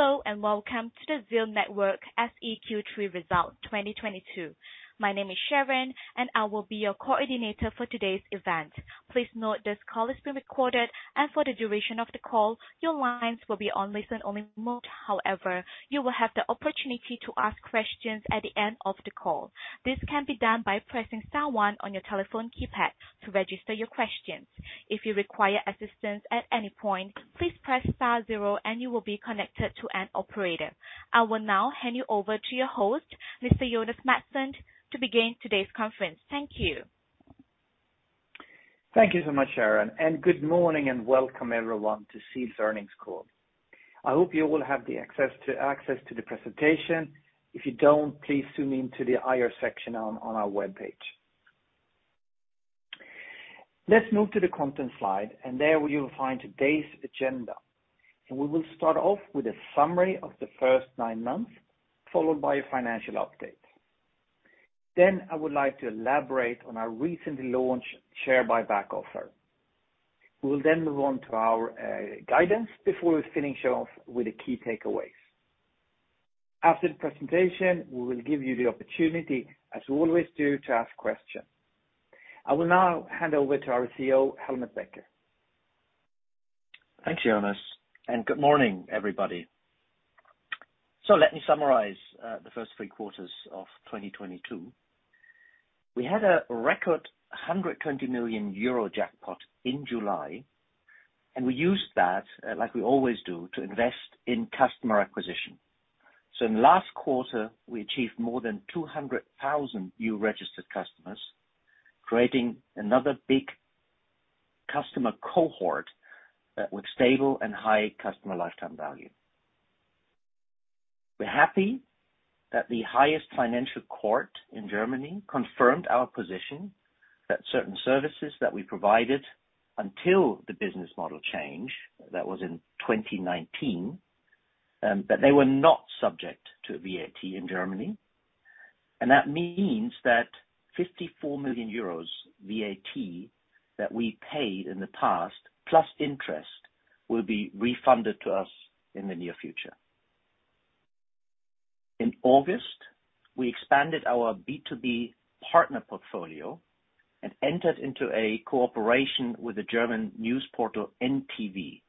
Hello, and welcome to the ZEAL Network SE Q3 results 2022. My name is Sharon, and I will be your coordinator for today's event. Please note this call is being recorded, and for the duration of the call, your lines will be on listen-only mode. However, you will have the opportunity to ask questions at the end of the call. This can be done by pressing star one on your telephone keypad to register your questions. If you require assistance at any point, please press star zero and you will be connected to an Operator. I will now hand you over to your host, Mr. Jonas Mattsson, to begin today's conference. Thank you. Thank you so much, Sharon. Good morning and welcome everyone to ZEAL's earnings call. I hope you all have access to the presentation. If you don't, please tune in to the IR section on our webpage. Let's move to the content slide, and there you'll find today's agenda. We will start off with a summary of the first nine months, followed by a financial update. I would like to elaborate on our recently launched share buyback offer. We will move on to our guidance before we finish off with the key takeaways. After the presentation, we will give you the opportunity, as we always do, to ask questions. I will now hand over to our CEO, Helmut Becker. Thanks, Jonas, and good morning, everybody. Let me summarize the first three quarters of 2022. We had a record 120 million euro jackpot in July, and we used that, like we always do, to invest in customer acquisition. In the last quarter, we achieved more than 200,000 new registered customers, creating another big customer cohort with stable and high customer lifetime value. We're happy that the highest financial court in Germany confirmed our position that certain services that we provided until the business model change, that was in 2019, that they were not subject to VAT in Germany. That means that 54 million euros VAT that we paid in the past, plus interest, will be refunded to us in the near future. In August, we expanded our B2B partner portfolio and entered into a cooperation with the German news portal ntv.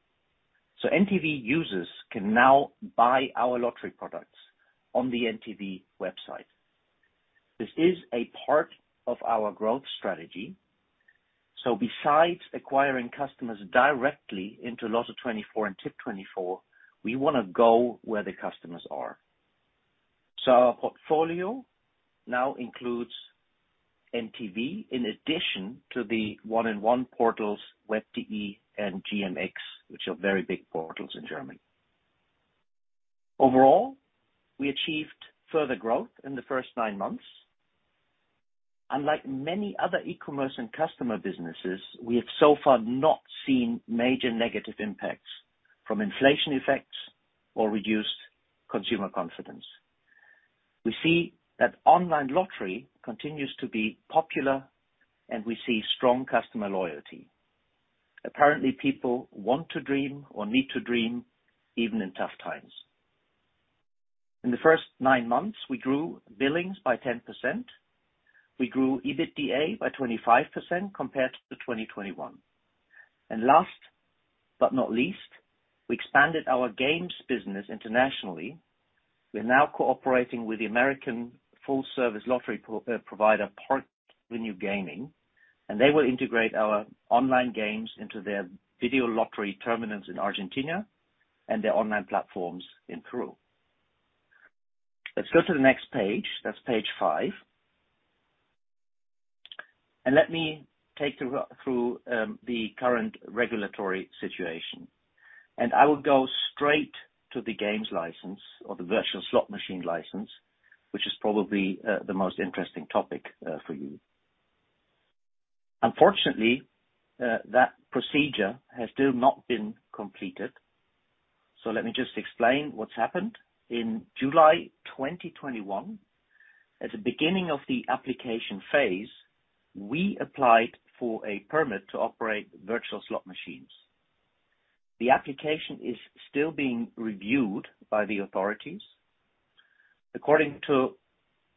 ntv users can now buy our lottery products on the ntv website. This is a part of our growth strategy. Besides acquiring customers directly into Lotto24 and Tipp24, we wanna go where the customers are. Our portfolio now includes ntv, in addition to the 1&1 portals, Web.de and GMX, which are very big portals in Germany. Overall, we achieved further growth in the first nine months. Unlike many other e-commerce and customer businesses, we have so far not seen major negative impacts from inflation effects or reduced consumer confidence. We see that online lottery continues to be popular, and we see strong customer loyalty. Apparently, people want to dream or need to dream even in tough times. In the first nine months, we grew billings by 10%. We grew EBITDA by 25% compared to 2021. Last but not least, we expanded our games business internationally. We're now cooperating with the American full-service lottery provider, Pollard Banknote, and they will integrate our online games into their video lottery terminals in Argentina and their online platforms in Peru. Let's go to the next page. That's page five. Let me take you through the current regulatory situation. I will go straight to the games license or the virtual slot machine license, which is probably the most interesting topic for you. Unfortunately, that procedure has still not been completed. Let me just explain what's happened. In July 2021, at the beginning of the application phase, we applied for a permit to operate virtual slot machines. The application is still being reviewed by the authorities. According to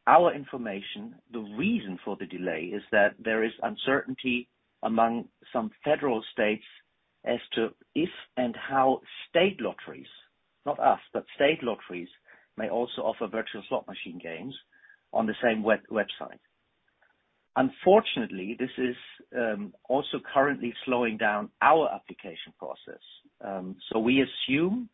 our information, the reason for the delay is that there is uncertainty among some federal states as to if and how state lotteries, not us, but state lotteries, may also offer virtual slot machine games on the same website. Unfortunately, this is also currently slowing down our application process. We assume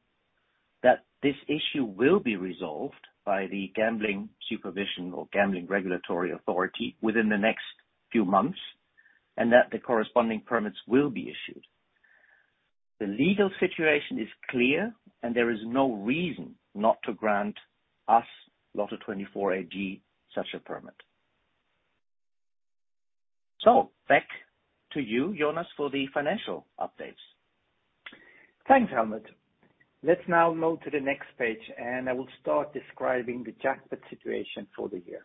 that this issue will be resolved by the gambling supervision or gambling regulatory authority within the next few months, and that the corresponding permits will be issued. The legal situation is clear, and there is no reason not to grant us, Lotto24 AG, such a permit. Back to you, Jonas, for the financial updates. Thanks, Helmut. Let's now move to the next page, and I will start describing the jackpot situation for the year.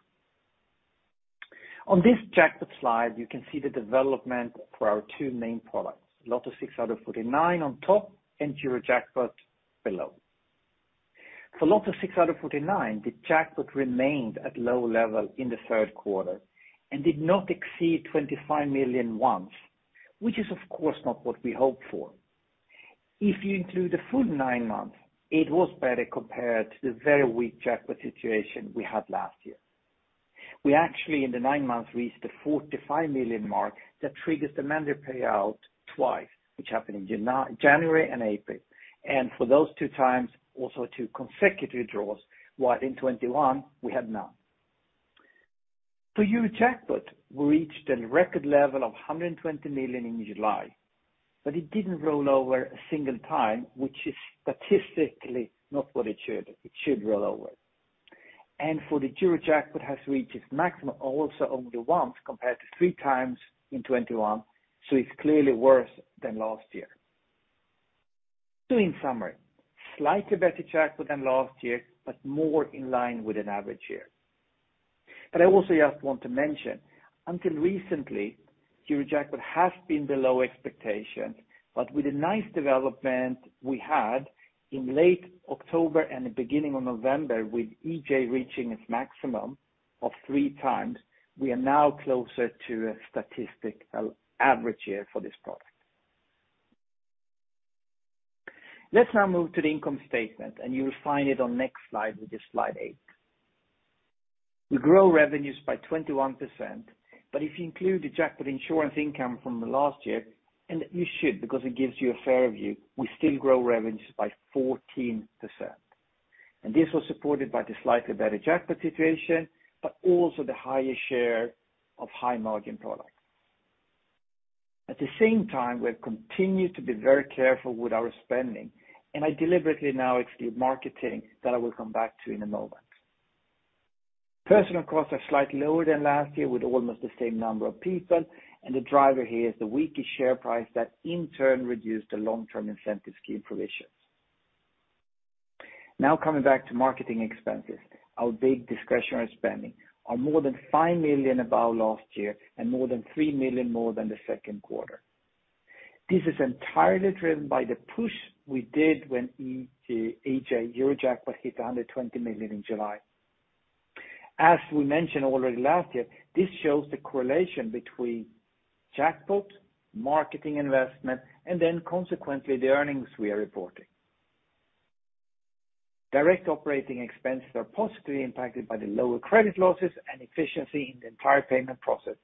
On this jackpot slide, you can see the development for our two main products, Lotto 6aus49 on top and Eurojackpot below. For Lotto 6aus49, the jackpot remained at low level in the third quarter and did not exceed 25 million once, which is, of course, not what we hoped for. If you include the full nine months, it was better compared to the very weak jackpot situation we had last year. We actually, in the nine months, reached the 45 million mark that triggers the mandatory payout twice, which happened in January and April. For those two times, also two consecutive draws, while in 2021 we had none. For Eurojackpot, we reached a record level of 120 million in July, but it didn't roll over a single time, which is statistically not what it should. It should roll over. For the Eurojackpot has reached its maximum also only once, compared to three times in 2021, so it's clearly worse than last year. In summary, slightly better jackpot than last year, but more in line with an average year. I also just want to mention, until recently, Eurojackpot has been below expectation, but with the nice development we had in late October and the beginning of November, with EJ reaching its maximum of three times, we are now closer to a statistical average year for this product. Let's now move to the income statement, and you will find it on next slide, which is slide eight. We grow revenues by 21%, but if you include the jackpot insurance income from the last year, and you should, because it gives you a fair view, we still grow revenues by 14%. This was supported by the slightly better jackpot situation, but also the highest share of high-margin products. At the same time, we have continued to be very careful with our spending, and I deliberately now exclude marketing that I will come back to in a moment. Personal costs are slightly lower than last year with almost the same number of people, and the driver here is the weaker share price that in turn reduced the long-term incentive scheme provisions. Now coming back to marketing expenses. Our big discretionary spending are more than 5 million above last year and more than 3 million more than the second quarter. This is entirely driven by the push we did when EJ, Eurojackpot, hit 120 million in July. As we mentioned already last year, this shows the correlation between jackpot, marketing investment, and then consequently, the earnings we are reporting. Direct operating expenses are positively impacted by the lower credit losses and efficiency in the entire payment process.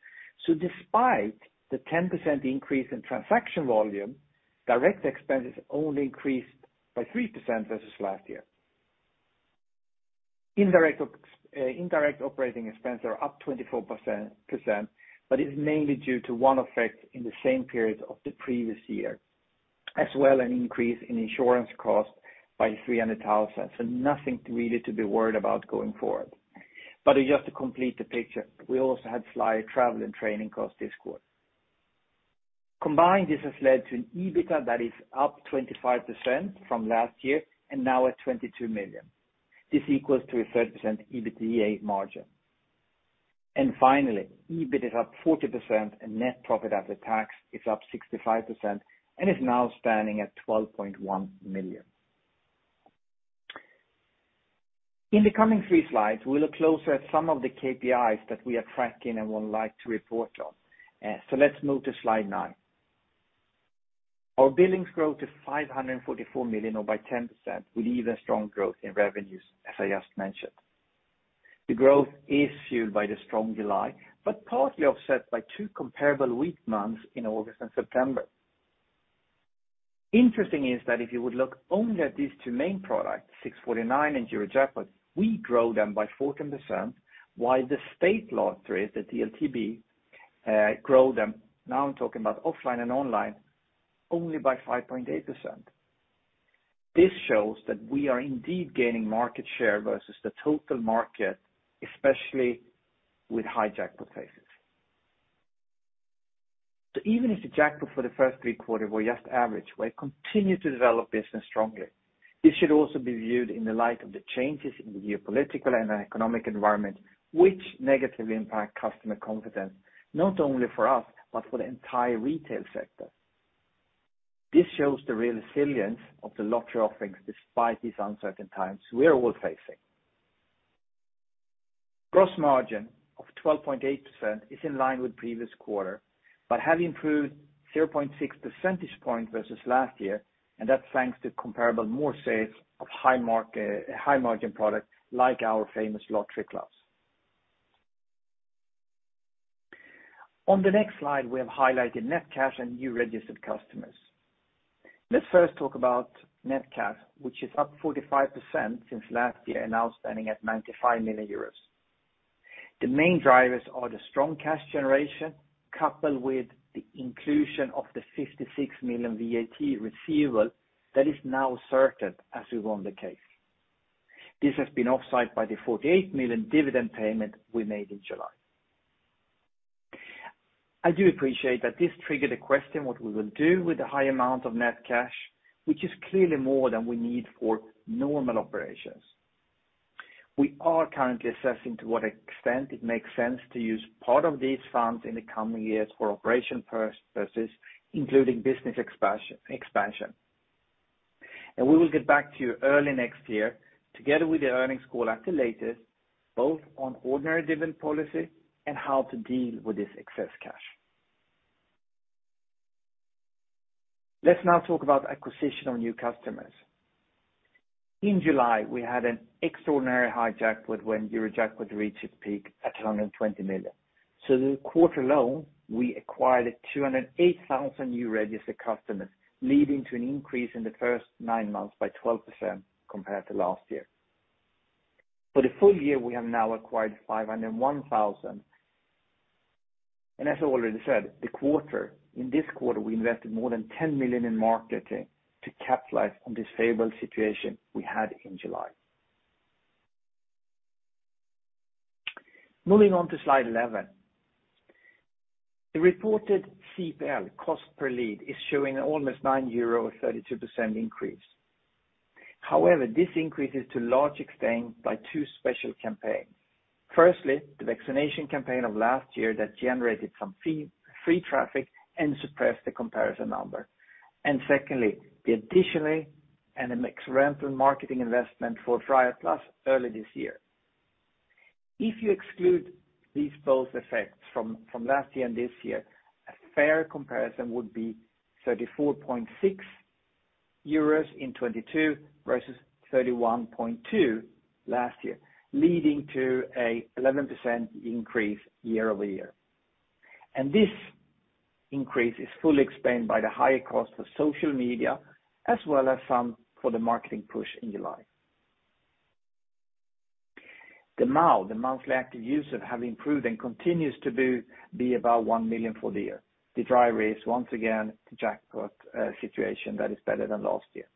Despite the 10% increase in transaction volume, direct expenses only increased by 3% versus last year. Indirect operating expenses are up 24%, but it's mainly due to one effect in the same period of the previous year, as well as an increase in insurance costs by 300,000. Nothing really to be worried about going forward. Just to complete the picture, we also had slight travel and training costs this quarter. Combined, this has led to an EBITDA that is up 25% from last year and now at 22 million. This equals to a 30% EBITDA margin. Finally, EBIT is up 40% and net profit after tax is up 65% and is now standing at 12.1 million. In the coming three slides, we'll look closer at some of the KPIs that we are tracking and would like to report on. So let's move to slide nine. Our billings grow to 544 million or by 10%, with even strong growth in revenues, as I just mentioned. The growth is fueled by the strong July, but partly offset by two comparable weak months in August and September. Interesting is that if you would look only at these two main products, Lotto 6aus49 and Eurojackpot, we grow them by 14%, while the state lottery, the DLTB, grow them, now I'm talking about offline and online, only by 5.8%. This shows that we are indeed gaining market share versus the total market, especially with high jackpot phases. Even if the jackpot for the first three quarter were just average, we continue to develop business strongly. This should also be viewed in the light of the changes in the geopolitical and economic environment, which negatively impact customer confidence, not only for us, but for the entire retail sector. This shows the real resilience of the lottery offerings despite these uncertain times we're all facing. Gross margin of 12.8% is in line with previous quarter, but have improved 0.6 percentage points versus last year, and that's thanks to comparable more sales of high margin products like our famous lottery clubs. On the next slide, we have highlighted net cash and new registered customers. Let's first talk about net cash, which is up 45% since last year and now standing at 95 million euros. The main drivers are the strong cash generation coupled with the inclusion of the 56 million VAT receivable that is now certain as we won the case. This has been offset by the 48 million dividend payment we made in July. I do appreciate that this triggered a question what we will do with the high amount of net cash, which is clearly more than we need for normal operations. We are currently assessing to what extent it makes sense to use part of these funds in the coming years for operation purchases, including business expansion. We will get back to you early next year together with the earnings call at the latest, both on ordinary dividend policy and how to deal with this excess cash. Let's now talk about acquisition of new customers. In July, we had an extraordinarily high jackpot when Eurojackpot reached its peak at 220 million. This quarter alone, we acquired 208,000 new registered customers, leading to an increase in the first nine months by 12% compared to last year. For the full year, we have now acquired 501,000. As I already said, in this quarter, we invested more than 10 million in marketing to capitalize on this favorable situation we had in July. Moving on to slide 11. The reported CPL, cost per lead, is showing almost 9 euro, a 32% increase. However, this increase is to a large extent due to two special campaigns. Firstly, the vaccination campaign of last year that generated some fee-free traffic and suppressed the comparison number. Secondly, the additional media rental marketing investment for Tipp24 early this year. If you exclude both these effects from last year and this year, a fair comparison would be 31.2 in 2022 versus EUR 34.6 last year, leading to an 11% increase year-over-year. This increase is fully explained by the higher cost of social media as well as some for the marketing push in July. The MAU, the monthly active users, have improved and continues to be above 1 million for the year. The driver is once again the jackpot situation that is better than last year.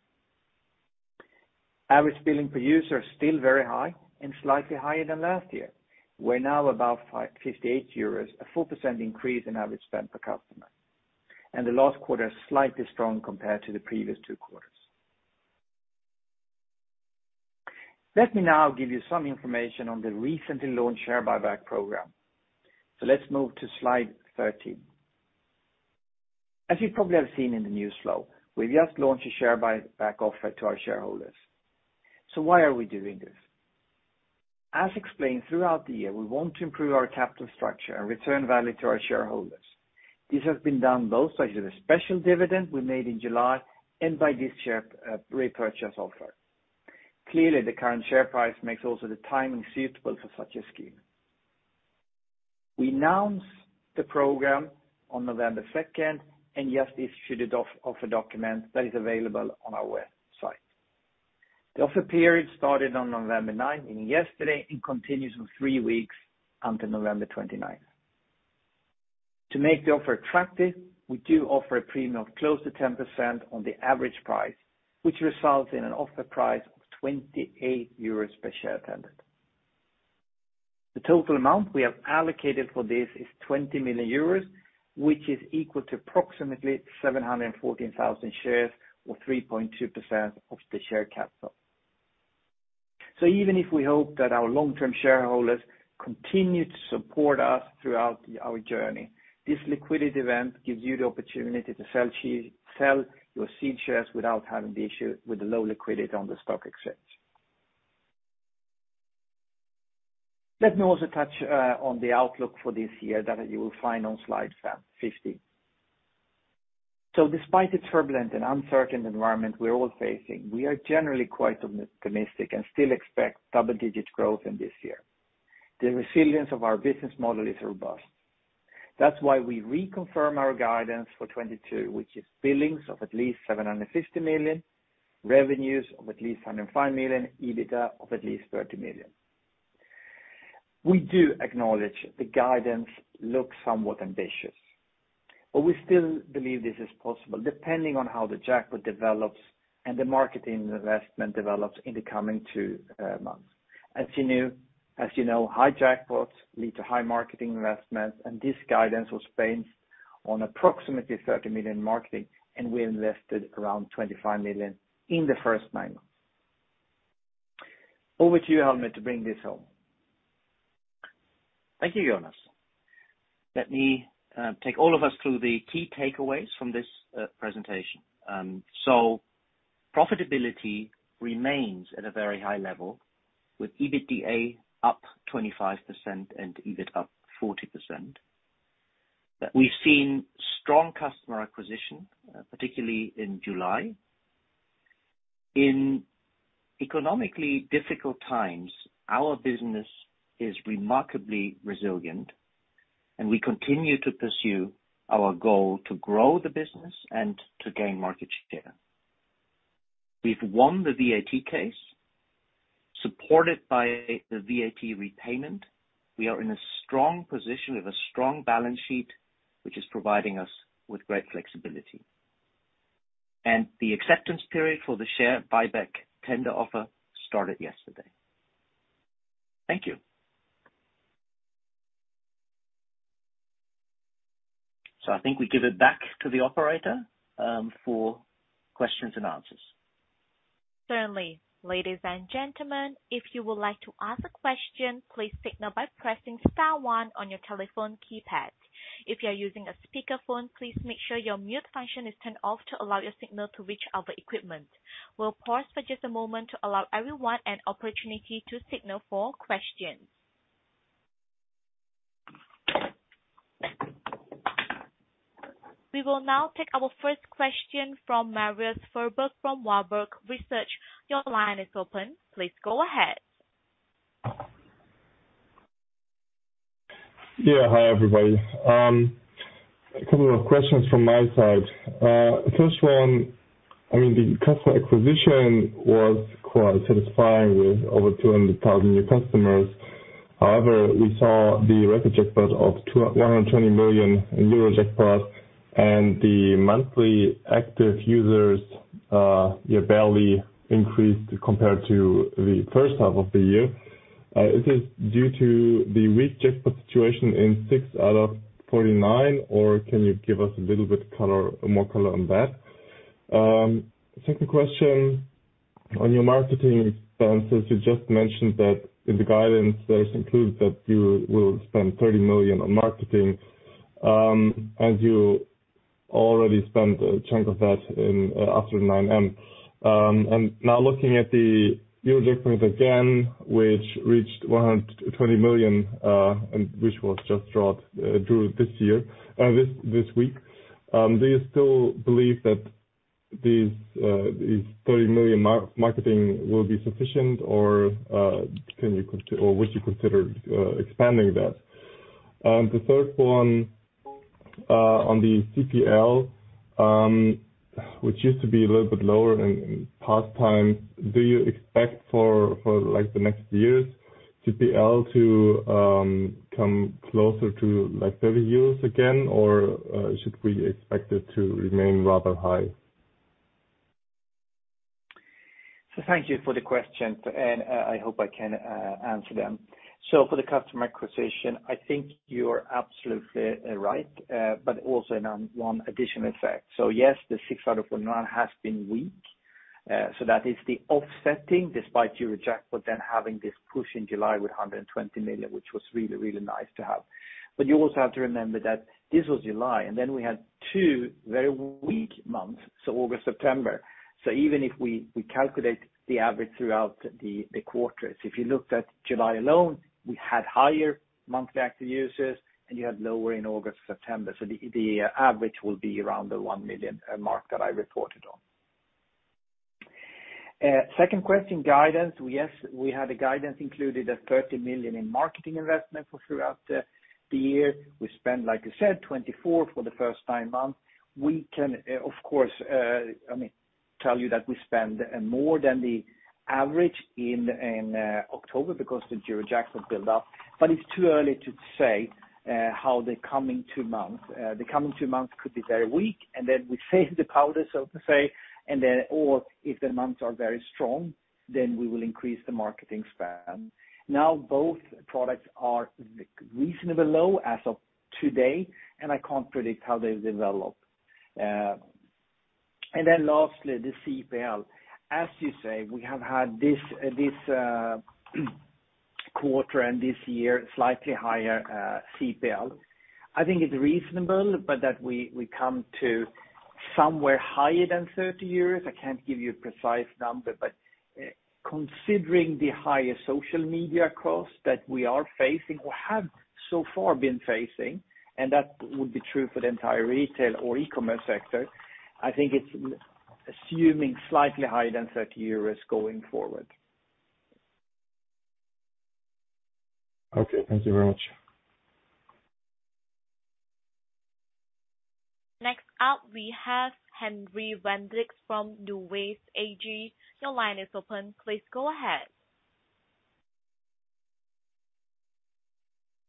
Average billing per user is still very high and slightly higher than last year. We're now above 58 euros, a 4% increase in average spend per customer. The last quarter is slightly strong compared to the previous two quarters. Let me now give you some information on the recently launched share buyback program. Let's move to slide 13. As you probably have seen in the news flow, we've just launched a share buyback offer to our shareholders. Why are we doing this? As explained throughout the year, we want to improve our capital structure and return value to our shareholders. This has been done both by the special dividend we made in July and by this share repurchase offer. Clearly, the current share price makes also the timing suitable for such a scheme. We announced the program on November second and just issued an offer document that is available on our website. The offer period started on November ninth, meaning yesterday, and continues for three weeks until November twenty-ninth. To make the offer attractive, we do offer a premium of close to 10% on the average price, which results in an offer price of 28 euros per share tender. The total amount we have allocated for this is 20 million euros, which is equal to approximately 714,000 shares or 3.2% of the share capital. Even if we hope that our long-term shareholders continue to support us throughout our journey, this liquidity event gives you the opportunity to sell your seed shares without having the issue with the low liquidity on the stock exchange. Let me also touch on the outlook for this year that you will find on slide 15. Despite the turbulent and uncertain environment we're all facing, we are generally quite optimistic and still expect double-digit growth in this year. The resilience of our business model is robust. That's why we reconfirm our guidance for 2022, which is billings of at least 750 million, revenues of at least 105 million, EBITDA of at least 30 million. We do acknowledge the guidance looks somewhat ambitious, but we still believe this is possible depending on how the jackpot develops and the marketing investment develops in the coming two months. As you know, high jackpots lead to high marketing investments, and this guidance was based on approximately 30 million in marketing, and we invested around 25 million in the first nine months. Over to you, Helmut, to bring this home. Thank you, Jonas. Let me take all of us through the key takeaways from this presentation. Profitability remains at a very high level, with EBITDA up 25% and EBIT up 40%. That we've seen strong customer acquisition, particularly in July. In economically difficult times, our business is remarkably resilient and we continue to pursue our goal to grow the business and to gain market share. We've won the VAT case. Supported by the VAT repayment, we are in a strong position with a strong balance sheet, which is providing us with great flexibility. The acceptance period for the share buyback tender offer started yesterday. Thank you. I think we give it back to the Operator for questions and answers. Certainly. Ladies and gentlemen, if you would like to ask a question, please signal by pressing star one on your telephone keypad. If you are using a speakerphone, please make sure your mute function is turned off to allow your signal to reach our equipment. We'll pause for just a moment to allow everyone an opportunity to signal for questions. We will now take our first question from Marius Fuhrberg from Warburg Research. Your line is open. Please go ahead. Yeah. Hi, everybody. A couple of questions from my side. First one, I mean, the customer acquisition was quite satisfying with over 200,000 new customers. However, we saw the record jackpot of 120 million euro and the monthly active users, yeah, barely increased compared to the first half of the year. Is this due to the weak jackpot situation in 6aus49, or can you give us a little bit more color on that? Second question on your marketing expenses. You just mentioned that in the guidance, there's included that you will spend 30 million on marketing, as you already spent a chunk of that in, after 9M. Now looking at the Eurojackpot again, which reached 120 million and which was just drawn during this week, do you still believe that these 30 million marketing will be sufficient or would you consider expanding that? The third one on the CPL, which used to be a little bit lower in past times, do you expect for like the next years CPL to come closer to like 30 euros again or should we expect it to remain rather high? Thank you for the questions, and I hope I can answer them. For the customer acquisition, I think you're absolutely right, but also one additional effect. Yes, the six out of forty-nine has been weak. That is the offsetting despite Eurojackpot then having this push in July with 120 million, which was really, really nice to have. But you also have to remember that this was July, and then we had two very weak months, so August, September. Even if we calculate the average throughout the quarters, if you looked at July alone, we had higher monthly active users, and you had lower in August, September. The average will be around the 1 million mark that I reported on. Second question, guidance. Yes, we had a guidance included at 30 million in marketing investment for throughout the year. We spent, like I said, 24 million for the first nine months. We can, of course, I mean, tell you that we spend more than the average in October because the Eurojackpot build up, but it's too early to say how the coming two months. The coming two months could be very weak, and then we save the powder, so to say, and then or if the months are very strong, then we will increase the marketing spend. Now, both products are reasonably low as of today, and I can't predict how they develop. And then lastly, the CPL. As you say, we have had this quarter and this year slightly higher CPL. I think it's reasonable, but that we come to somewhere higher than 30. I can't give you a precise number, but considering the higher social media costs that we are facing or have so far been facing, and that would be true for the entire retail or e-commerce sector, I think it's assuming slightly higher than 30 euros going forward. Okay. Thank you very much. Next up, we have Henry Wendisch from NuWays AG. Your line is open. Please go ahead.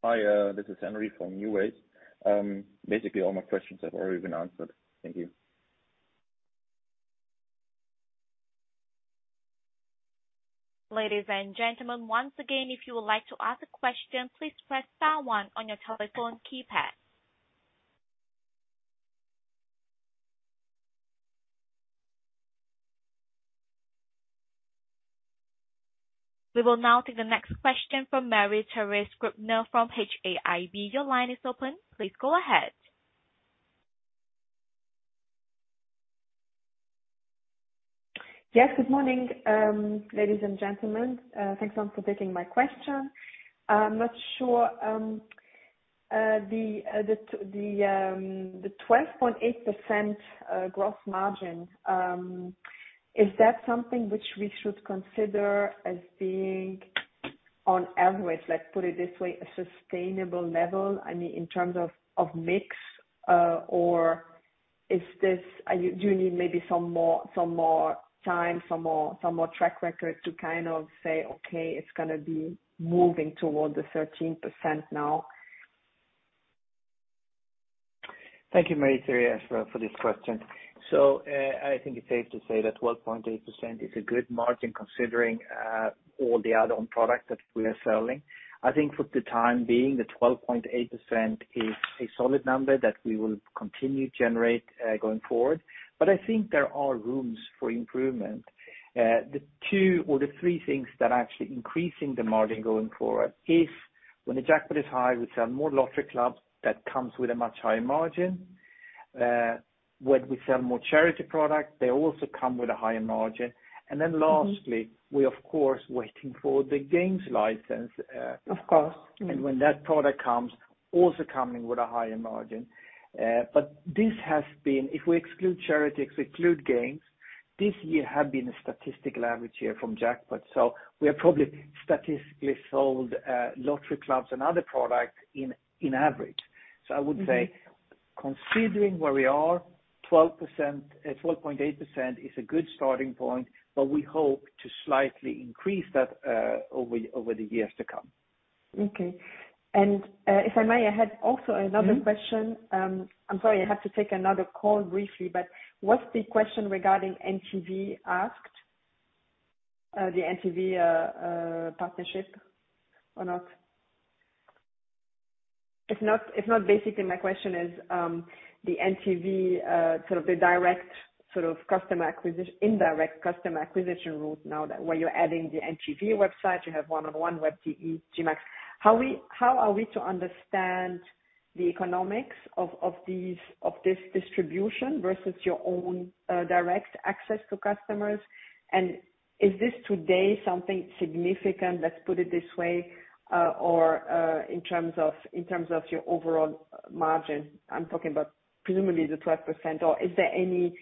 Hi, this is Henry from NuWays. Basically all my questions have already been answered. Thank you. Ladies and gentlemen, once again, if you would like to ask a question, please press star one on your telephone keypad. We will now take the next question from Marie-Therese Grübner from HAIB. Your line is open. Please go ahead. Yes. Good morning, ladies and gentlemen. Thanks, Tom, for taking my question. I'm not sure the twelve point eight percent gross margin is that something which we should consider as being on average, let's put it this way, a sustainable level? I mean, in terms of mix, or is this? Do you need maybe some more time, some more track record to kind of say, "Okay, it's gonna be moving toward the thirteen percent now"? Thank you, Marie-Therese, for this question. I think it's safe to say that 12.8% is a good margin considering all the add-on product that we are selling. I think for the time being, the 12.8% is a solid number that we will continue to generate going forward. I think there are rooms for improvement. The two or three things that are actually increasing the margin going forward is when the jackpot is high, we sell more lottery clubs that comes with a much higher margin. When we sell more charity products, they also come with a higher margin. Then lastly, we of course waiting for the gaming license. Of course. When that product comes, also coming with a higher margin. If we exclude charities, we exclude games, this year have been a statistical average year from jackpot. We have probably statistically sold lottery clubs and other products in average. I would say considering where we are, 12%, 12.8% is a good starting point, but we hope to slightly increase that over the years to come. Okay. If I may, I had also another question. I'm sorry, I have to take another call briefly. Was the question regarding NTV asked, the NTV partnership or not? If not, basically my question is the NTV sort of direct customer acquisition, indirect customer acquisition route now that where you're adding the NTV website, you have 1&1, Web.de, GMX. How are we to understand the economics of this distribution versus your own direct access to customers? Is this today something significant, let's put it this way, or in terms of your overall margin? I'm talking about presumably the 12%, or is there any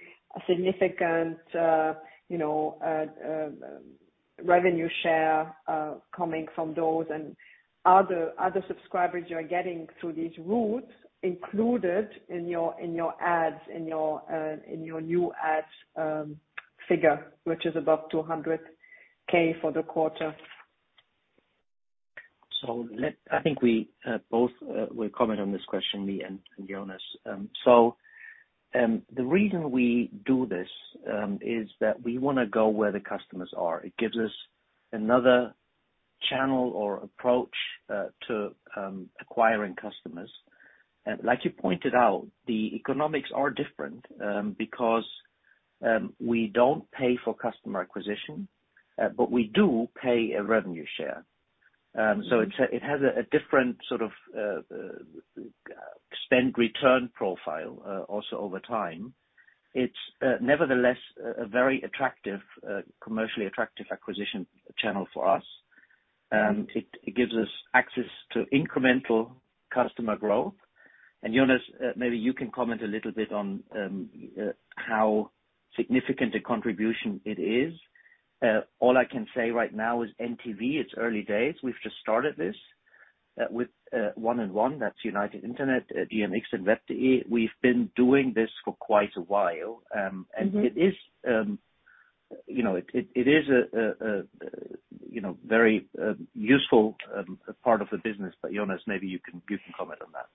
significant, you know, revenue share coming from those and other subscribers you are getting through these routes included in your, in your ads, in your new ads figure, which is above 200K for the quarter? I think we both will comment on this question, me and Jonas. The reason we do this is that we wanna go where the customers are. It gives us another channel or approach to acquiring customers. Like you pointed out, the economics are different because we don't pay for customer acquisition, but we do pay a revenue share. It has a different sort of spend return profile also over time. It's nevertheless a very attractive commercially attractive acquisition channel for us. It gives us access to incremental customer growth. Jonas, maybe you can comment a little bit on how significant a contribution it is. All I can say right now is NTV. It's early days. We've just started this with 1&1, that's United Internet, GMX and Web.de. We've been doing this for quite a while. It is, you know, a very useful part of the business. Jonas, maybe you can comment on that.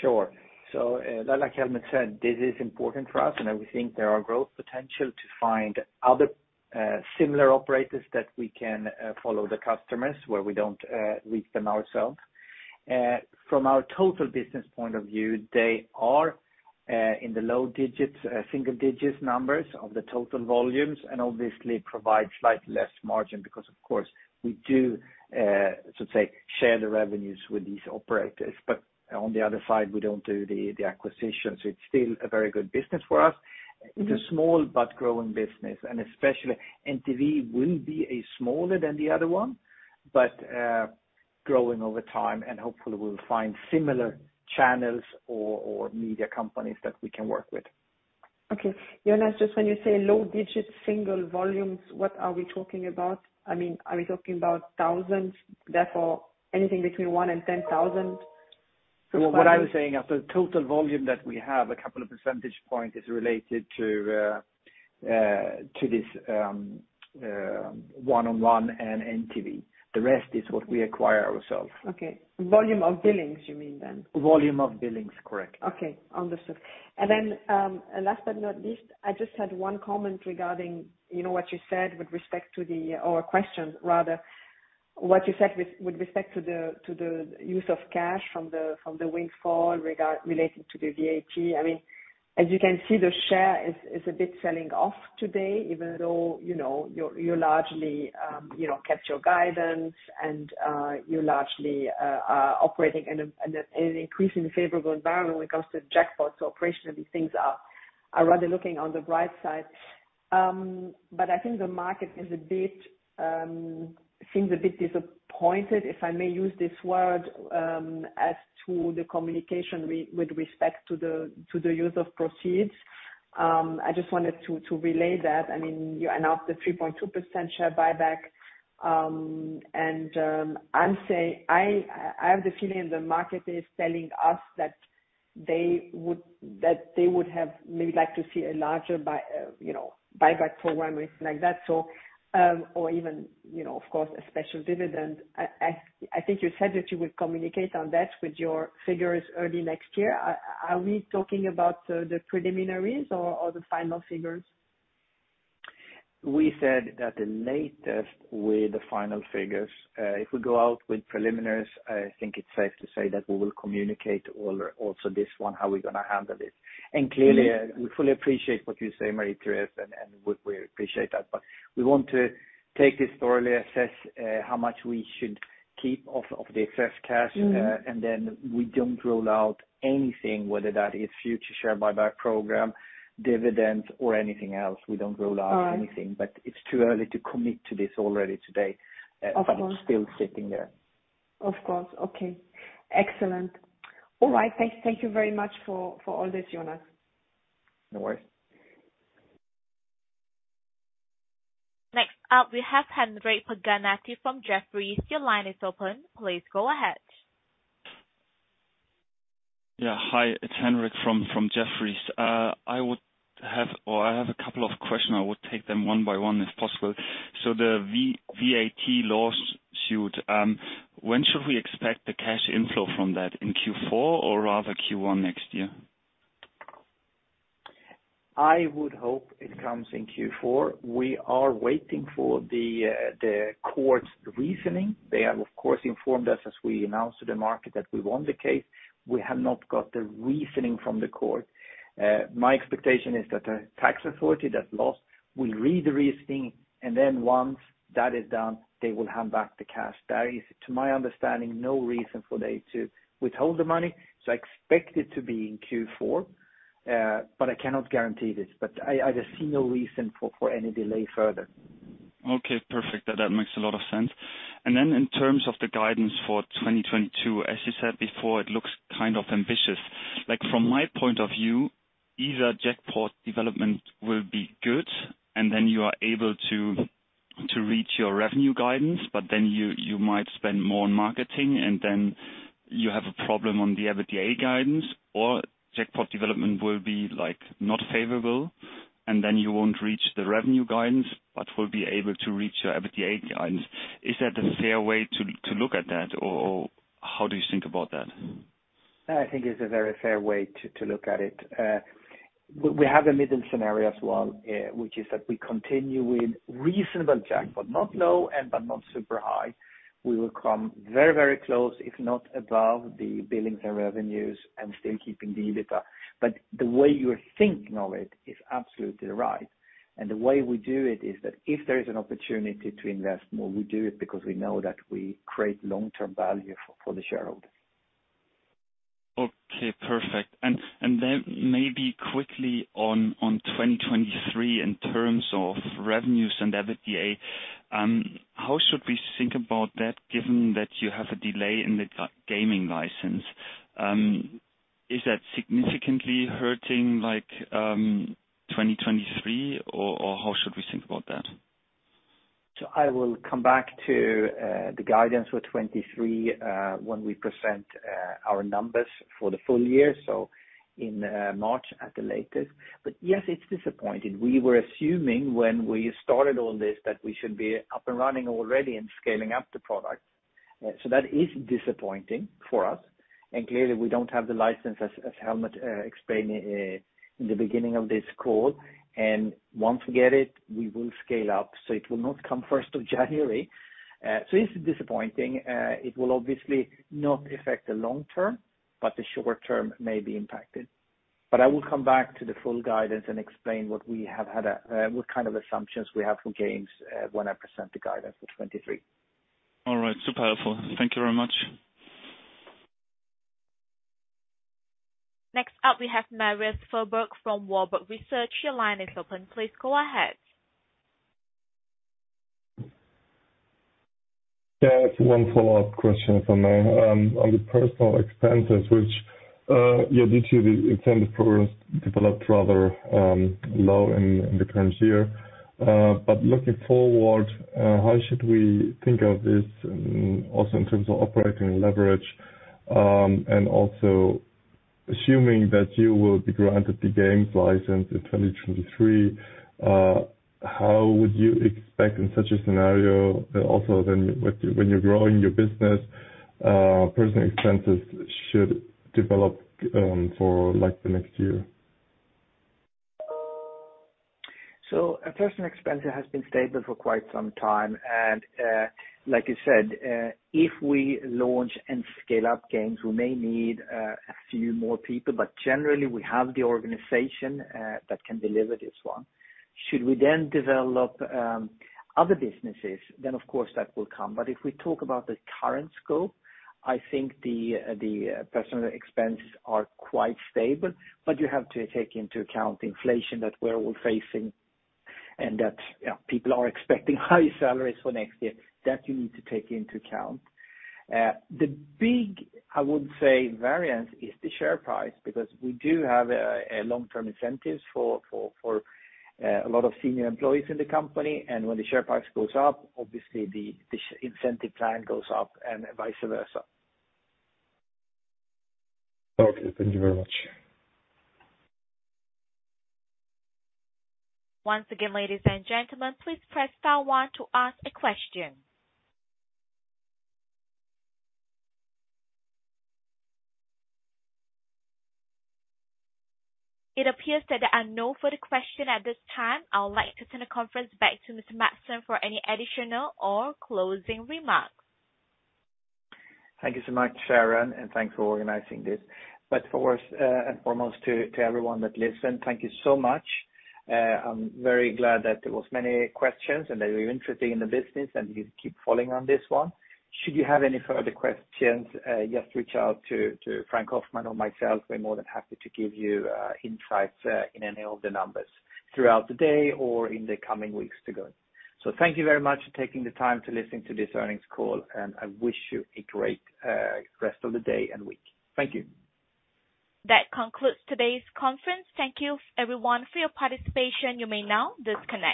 Sure. Like Helmut said, this is important for us, and we think there are growth potential to find other similar Operators that we can follow the customers where we don't reach them ourselves. From our total business point of view, they are in the low digits, single digits numbers of the total volumes, and obviously provide slightly less margin because of course, we do so to say, share the revenues with these Operators. On the other side, we don't do the acquisition. It's still a very good business for us. It's a small but growing business, and especially NTV will be smaller than the other one, but growing over time, and hopefully we'll find similar channels or media companies that we can work with. Okay. Jonas, just when you say low single-digit volumes, what are we talking about? I mean, are we talking about thousands, therefore anything between 1 and 10,000 subscribers? What I was saying, as the total volume that we have, a couple of percentage point is related to this 1&1 and NTV. The rest is what we acquire ourselves. Okay. Volume of billings, you mean then? Volume of billings, correct. Okay. Understood. Last but not least, I just had one comment regarding, you know, what you said with respect to the. Or a question rather, what you said with respect to the use of cash from the windfall relating to the VAT. I mean, as you can see, the share is a bit selling off today, even though, you know, you're largely kept your guidance and you're largely operating in an increasingly favorable environment when it comes to jackpots. Operationally, things are rather looking on the bright side. I think the market is a bit disappointed, if I may use this word, as to the communication with respect to the use of proceeds. I just wanted to relay that. I mean, you announced the 3.2% share buyback. I'm saying I have the feeling the market is telling us that they would have maybe like to see a larger buy, you know, buyback program or something like that. Or even, you know, of course, a special dividend. I think you said that you would communicate on that with your figures early next year. Are we talking about the preliminaries or the final figures? We said that the latest with the final figures, if we go out with preliminaries, I think it's safe to say that we will communicate all also this one, how we're gonna handle this. Clearly, we fully appreciate what you say, Marie-Therese, and we appreciate that. We want to take this thoroughly, assess how much we should keep of the excess cash. Mm-hmm. We don't rule out anything, whether that is future share buyback program, dividends or anything else. We don't rule out anything. All right. It's too early to commit to this already today. Of course. It's still sitting there. Of course. Okay. Excellent. All right. Thank you very much for all this, Jonas. No worries. Next up we have Henrik Paganetty from Jefferies. Your line is open. Please go ahead. Yeah. Hi, it's Henrik from Jefferies. I have a couple of questions. I would take them one by one if possible. The VAT lawsuit, when should we expect the cash inflow from that, in Q4 or rather Q1 next year? I would hope it comes in Q4. We are waiting for the court's reasoning. They have, of course, informed us as we announced to the market that we won the case. We have not got the reasoning from the court. My expectation is that the tax authority that lost will read the reasoning and then once that is done, they will hand back the cash. There is, to my understanding, no reason for them to withhold the money, so I expect it to be in Q4, but I cannot guarantee this. I just see no reason for any delay further. Okay, perfect. That makes a lot of sense. Then in terms of the guidance for 2022, as you said before, it looks kind of ambitious. Like from my point of view, either jackpot development will be good and then you are able to reach your revenue guidance, but then you might spend more on marketing and then you have a problem on the EBITDA guidance or jackpot development will be like not favorable and then you won't reach the revenue guidance but will be able to reach your EBITDA guidance. Is that a fair way to look at that or how do you think about that? I think it's a very fair way to look at it. We have a middle scenario as well, which is that we continue with reasonable jackpot, not low, but not super high. We will come very, very close, if not above the billings and revenues and still keeping the EBITDA. But the way you're thinking of it is absolutely right. The way we do it is that if there is an opportunity to invest more, we do it because we know that we create long-term value for the shareholder. Okay, perfect. Maybe quickly on 2023 in terms of revenues and EBITDA, how should we think about that given that you have a delay in the gaming license? Is that significantly hurting like 2023 or how should we think about that? I will come back to the guidance for 2023 when we present our numbers for the full year, so in March at the latest. Yes, it's disappointing. We were assuming when we started all this that we should be up and running already and scaling up the product. That is disappointing for us. Clearly we don't have the license as Helmut explained it in the beginning of this call. Once we get it, we will scale up. It will not come first of January. It's disappointing. It will obviously not affect the long term, but the short term may be impacted. I will come back to the full guidance and explain what we have had, what kind of assumptions we have for games when I present the guidance for 2023. All right. Super helpful. Thank you very much. Next up we have Marius Fuhrberg from Warburg Research. Your line is open. Please go ahead. Yeah. One follow-up question from me. On the personnel expenses which year-to-year the incentive programs developed rather low in the current year. But looking forward, how should we think of this also in terms of operating leverage? And also assuming that you will be granted the gaming license in 2023, how would you expect in such a scenario also then when you're growing your business, personnel expenses should develop, for like the next year? Personnel expenses have been stable for quite some time. Like you said, if we launch and scale up games, we may need a few more people. Generally we have the organization that can deliver this one. Should we then develop other businesses, then of course that will come. If we talk about the current scope, I think the personnel expenses are quite stable, but you have to take into account inflation that we're all facing and that people are expecting high salaries for next year, that you need to take into account. The big variance is the share price because we do have long-term incentives for a lot of senior employees in the company. When the share price goes up, obviously the share incentive plan goes up and vice versa. Okay. Thank you very much. Once again, ladies and gentlemen, please press star one to ask a question. It appears that there are no further questions at this time. I would like to turn the conference back to Mr. Mattsson for any additional or closing remarks. Thank you so much, Sharon, and thanks for organizing this. First, and foremost to everyone that listened, thank you so much. I'm very glad that there was many questions and that you're interested in the business and you keep following on this one. Should you have any further questions, just reach out to Frank Hoffmann or myself. We're more than happy to give you insights in any of the numbers throughout the day or in the coming weeks to go. Thank you very much for taking the time to listen to this earnings call, and I wish you a great rest of the day and week. Thank you. That concludes today's conference. Thank you everyone for your participation. You may now disconnect.